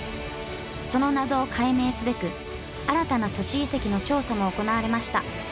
その謎を解明すべく新たな都市遺跡の調査も行われました